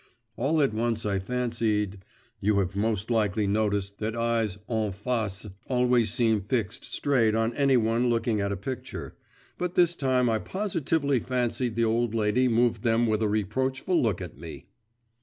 All at once I fancied you have most likely noticed that eyes en face always seem fixed straight on any one looking at a picture but this time I positively fancied the old lady moved them with a reproachful look on me.